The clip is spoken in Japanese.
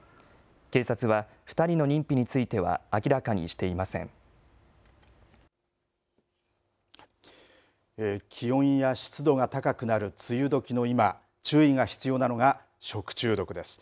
警察は２人の認否については気温や湿度が高くなる梅雨どきの今注意が必要なのが食中毒です。